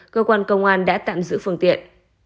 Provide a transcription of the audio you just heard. cơ quan công an đã tạm giữ phương tiện